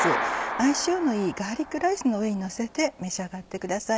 相性のいいガーリックライスの上にのせて召し上がってください。